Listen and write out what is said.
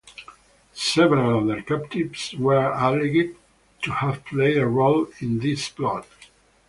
Several other captives were alleged to have played a role in this plot.